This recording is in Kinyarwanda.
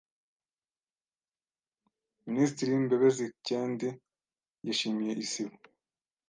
Minisitiri Mbebezi kendi yeshimiye Isibo